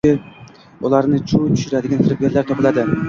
tabiiyki ularni chuv tushiradigan firibgarlar topiladi.